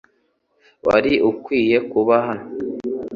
Wari ukwiye kuba hano .